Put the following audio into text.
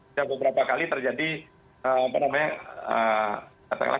sudah beberapa kali terjadi apa namanya katakanlah